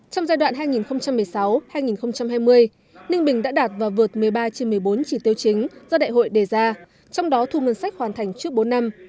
trong giai đoạn hai nghìn một mươi sáu hai nghìn hai mươi ninh bình đã đạt và vượt một mươi ba trên một mươi bốn chỉ tiêu chính do đại hội đề ra trong đó thu ngân sách hoàn thành trước bốn năm